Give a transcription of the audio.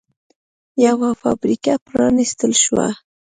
یوه فابریکه پرانېستل شوه